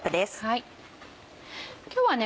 今日はね